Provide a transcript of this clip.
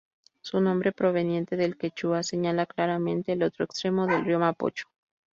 Su nombre, proveniente del quechua, señala claramente el otro extremo del río Mapocho.